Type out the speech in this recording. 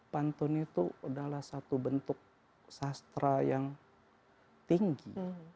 pantun itu adalah satu bentuk sastra yang tinggi